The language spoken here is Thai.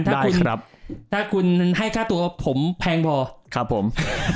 ถ้าได้ครับถ้าคุณให้ค่าตัวผมแพงพอครับผม